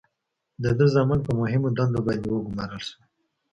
د ده زامن په مهمو دندو باندې وګمارل شول.